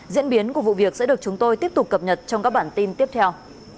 diễn biến của vụ việc sẽ được chúng tôi tiếp tục cập nhật trong các bản tin tiếp theo